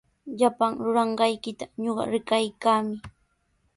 Llapan ruranqaykita ñuqa rikaykaami.